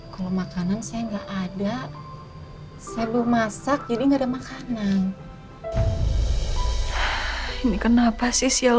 kalau makanan saya enggak ada saya belum masak jadi enggak ada makanan ini kenapa sih